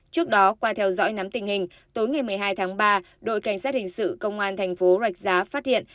trước đó qua theo dõi nắm tình hình tối ngày một mươi hai tháng ba đội cảnh sát hình sự công an thành phố rạch giá phát hiện